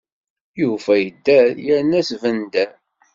Yufa yedder, yerna asbender.